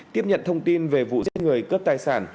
tiếp nhận thông tin về vụ giết người cướp tài sản